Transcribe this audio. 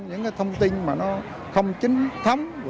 những thông tin không chính thống